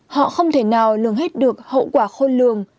họ không thể nào lường hết được hậu quả khôn lường